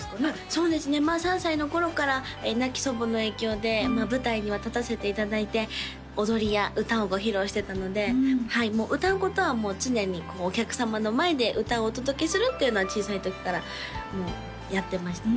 そうですね３歳の頃から亡き祖母の影響で舞台には立たせていただいて踊りや歌をご披露してたのではい歌うことはもう常にお客様の前で歌をお届けするっていうのは小さい時からやってましたね